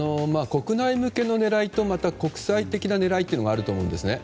国内向けの狙いとまた国際的な狙いというのがあると思うんですね。